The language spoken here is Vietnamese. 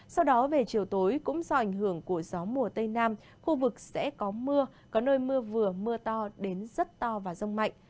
sau đó về chiều tối cũng do ảnh hưởng của gió mùa tây nam khu vực sẽ có mưa có nơi mưa vừa mưa to đến rất to và rông mạnh